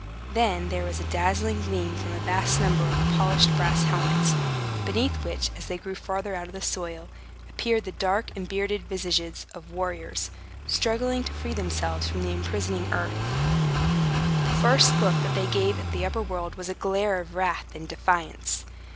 Then there was a dazzling gleam from a vast number of polished brass helmets, beneath which, as they grew farther out of the soil, appeared the dark and bearded visages of warriors, struggling to free themselves from the imprisoning earth. The first look that they gave at the upper world was a glare of wrath and defiance.